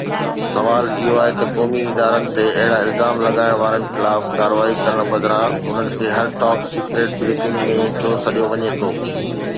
سوال اهو آهي ته قومي ادارن تي اهڙا الزام لڳائڻ وارن خلاف ڪارروائي ڪرڻ بدران انهن کي هر ٽاپ سيڪريٽ بريفنگ ۾ ڇو سڏيو وڃي ٿو؟